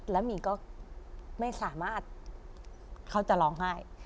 แล้วหมี่ก็ไม่สามารถเขาจะร้องไห้